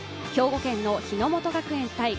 兵庫県の日ノ本学園対